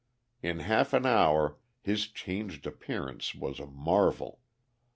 In half an hour his changed appearance was a marvel.